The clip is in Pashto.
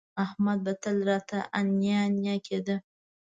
احمد به تل راته انیا انیا کېده